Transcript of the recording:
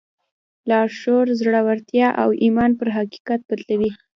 لاشعور زړورتيا او ايمان پر حقيقت بدلوي.